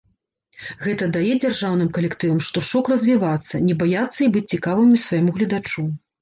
Гэта дае дзяржаўным калектывам штуршок развівацца, не баяцца і быць цікавымі свайму гледачу.